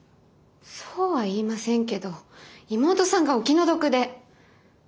そうは言いませんけど妹さんがお気の毒で。